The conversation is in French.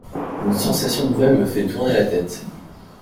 Une sensation nouvelle me fait tourner la tête.